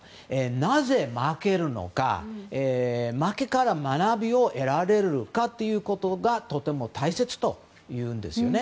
なぜ負けるのか負けから学びを得られるかがとても大切だというんです。